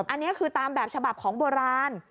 อันนี้คือตามแบบฉบับของโบราณ